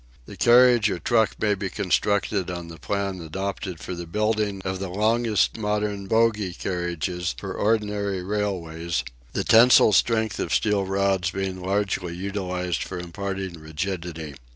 The carriage or truck may be constructed on the plan adopted for the building of the longest type of modern bogie carriages for ordinary railways, the tensile strength of steel rods being largely utilised for imparting rigidity.